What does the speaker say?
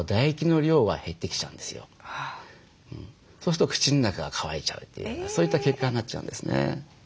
そうすると口の中が渇いちゃうというようなそういった結果になっちゃうんですね。